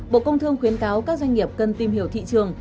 bộ công thương khuyến cáo các doanh nghiệp cần tìm hiểu thị trường